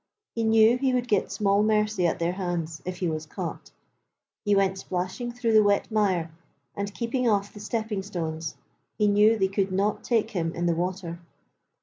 He knew he would get small mercy at their hands if he was caught; he went splashing through the wet mire and keeping off the stepping stones; he knew they could not take him in the water.